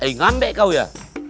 eh ngambek kau ya